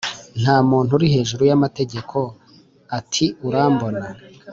nta muntu uri hejuru y'amategeko" ati: urambona